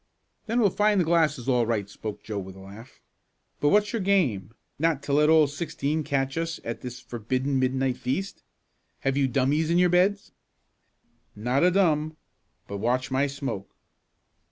"Then we'll find the glasses all right," spoke Joe with a laugh. "But what's your game, not to let old Sixteen catch us at this forbidden midnight feast? Have you dummies in your beds?" "Not a dum. But watch my smoke."